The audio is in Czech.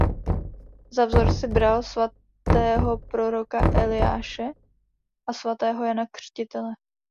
Za vzor si bral svatého proroka Eliáše a svatého Jana Křtitele.